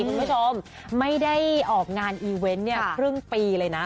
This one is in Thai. คุณผู้ชมไม่ได้ออกงานอีเวนต์เนี่ยครึ่งปีเลยนะ